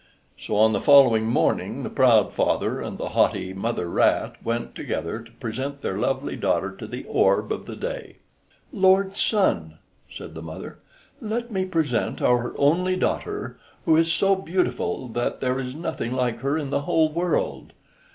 So, on the following morning the proud father and the haughty mother rat went together to present their lovely daughter to the orb of day. "Lord Sun," said the mother, "let me present our only daughter, who is so beautiful that there is nothing like her in the whole world.